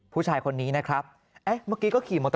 ผู้ชายคนนี้นะครับเอ๊ะเมื่อกี้ก็ขี่มอเตอร์สองครามนะครับ